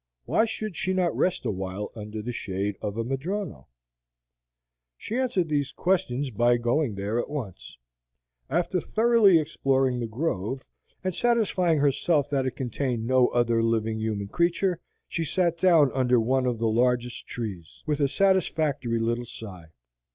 Why should she not rest awhile under the shade of a madrono? She answered these questions by going there at once. After thoroughly exploring the grove, and satisfying herself that it contained no other living human creature, she sat down under one of the largest trees, with a satisfactory little sigh.